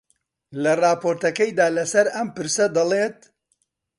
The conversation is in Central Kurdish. لە ڕاپۆرتەکەیدا لەسەر ئەم پرسە دەڵێت: